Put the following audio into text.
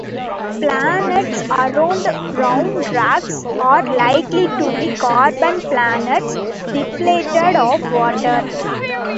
Planets around brown dwarfs are likely to be carbon planets depleted of water.